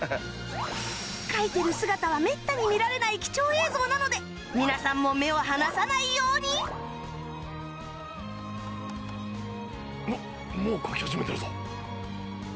描いてる姿はめったに見られない貴重映像なので皆さんも目を離さないように！ももう描き始めてるぞ。